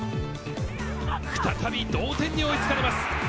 再び同点に追いつかれます。